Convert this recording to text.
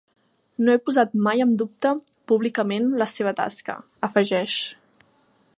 No he posat mai en dubte públicament la seva tasca, afegeix.